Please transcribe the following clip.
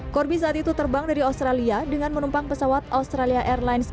corby saat itu terbang dari australia dengan menumpang pesawat australia airlines